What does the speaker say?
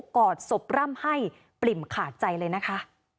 กอดศพร่ำให้ปริ่มขาดใจเลยนะคะ